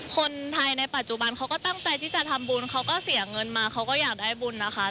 คนไทยในปัจจุบันเขาก็ตั้งใจที่จะทำบุญเขาก็เสียเงินมาเขาก็อยากได้บุญนะคะ